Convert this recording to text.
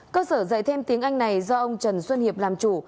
cơ sở dạy thêm tiếng anh này do ông trần xuân hiệp làm chủ